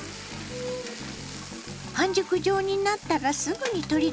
半熟状になったらすぐに取り出します。